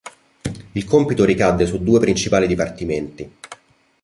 Il compito ricadde su due principali dipartimenti.